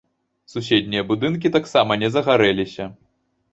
Суседнія будынкі таксама не загарэліся.